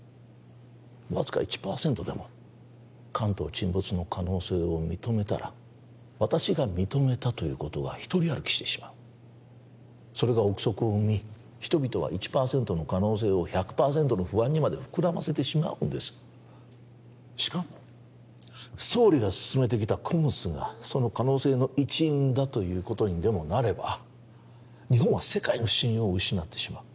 わずか１％でも関東沈没の可能性を認めたら私が認めたということが独り歩きしてしまうそれが臆測を生み人々は１％の可能性を１００％の不安にまで膨らませてしまうんですしかも総理が進めてきたＣＯＭＳがその可能性の一因だということにでもなれば日本は世界の信用を失ってしまう